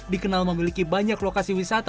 dikenal memiliki banyak lokasi wisata